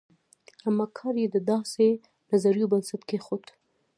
اما کار یې د داسې نظریو بنسټ کېښود.